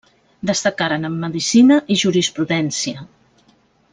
Destacaren en Medicina i jurisprudència.